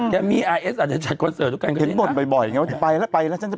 แกมีอาร์เอสอาจจะจัดคอนเสิร์ตด้วยกันกันนะ